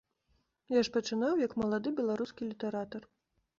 Я ж пачынаў, як малады беларускі літаратар.